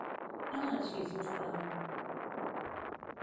No marxi, si us plau.